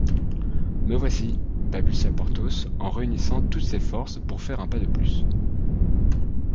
Me voici, balbutia Porthos en réunissant toutes ses forces pour faire un pas de plus.